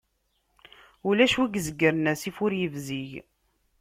Ulac wi izegren asif ur ibzig.